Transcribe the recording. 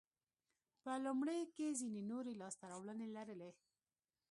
په لومړیو کې یې ځیني نورې لاسته راوړنې لرلې.